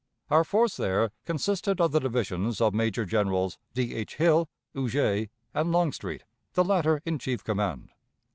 Our force there consisted of the divisions of Major Generals D. H. Hill, Huger, and Longstreet, the latter in chief command.